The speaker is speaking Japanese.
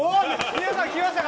皆さん聞きましたか！